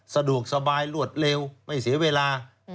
สะดวกสบายรวดเร็วไม่เสียเวลา